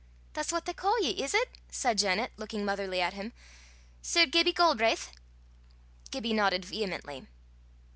"That's what they ca' ye, is 't?" said Janet, looking motherly at him: " Sir Gibbie Galbraith?" Gibbie nodded vehemently.